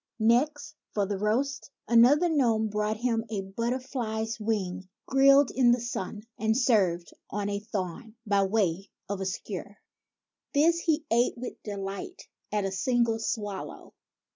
Next, for the roast, another gnome brought him a butter fly's wing grilled in the sun, and served on a thorn by way of a skewer. This he ate with delight at a single swallow.